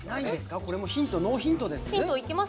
これもヒント、ノーヒントです？